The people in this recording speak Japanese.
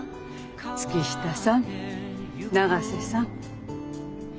月下さん永瀬さん。